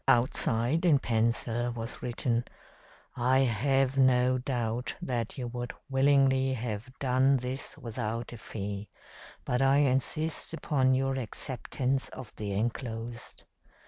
Outside, in pencil, was written: 'I have no doubt that you would willingly have done this without a fee, but I insist upon your acceptance of the enclosed.'